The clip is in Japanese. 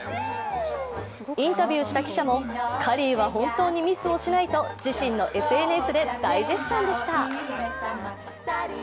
インタビューした記者もカリーは本当にミスをしないと自身のＳＮＳで大絶賛でした。